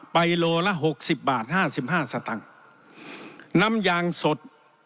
โลละหกสิบบาทห้าสิบห้าสตังค์น้ำยางสด